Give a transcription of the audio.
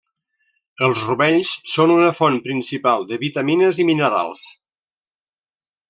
Els rovells són una font principal de vitamines i minerals.